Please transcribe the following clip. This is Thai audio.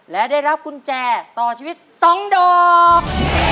และได้รับกุญแจต่อชีวิต๒ดอก